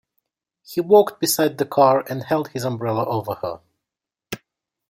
He walked beside the cart and held his umbrella over her.